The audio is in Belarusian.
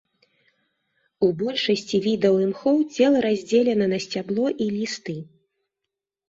У большасці відаў імхоў цела раздзелена на сцябло і лісты.